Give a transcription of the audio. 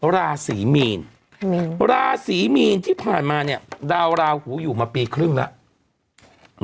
ราศีมีนราศีมีนที่ผ่านมาเนี่ยดาวราหูอยู่มาปีครึ่งแล้ว